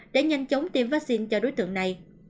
để nhanh chóng tiêm vaccine cho đối tượng này